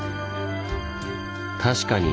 確かに！